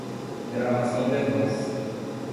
Gravação de voz.